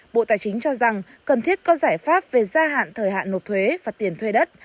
bộ tài chính cho rằng cần thiết có giải pháp về gia hạn thời hạn nộp thuế và tiền thuê đất